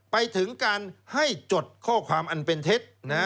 ไปถึงการให้จดข้อความอันเป็นเท็จ